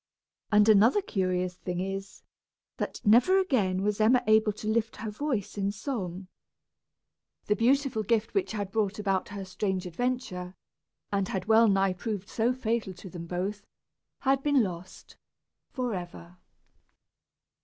And another curious thing is, that never again was Emma able to lift her voice in song. The beautiful gift which had brought about her strange adventure, and had well nigh proved so fatal to them both, had been lost forever!